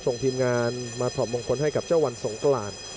ส่งทีมงานมาถอดมงคลให้กับเจ้าวันสงกราน